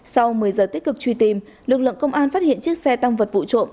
sau một mươi giờ tích cực truy tìm lực lượng công an phát hiện chiếc xe tăng vật vụ trộm